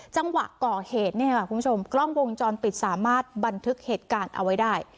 จังหวะก่อเหตุเนี่ยค่ะคุณผู้ชมกล้องวงจรปิดสามารถบันทึกเหตุการณ์เอาไว้ได้